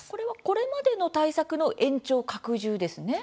これまでの対策の延長・拡充ですね。